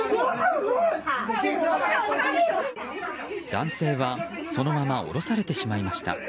男性は、そのまま降ろされてしまいました。